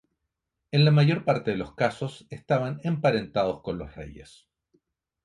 En la mayor parte de los casos estaban emparentados con los reyes.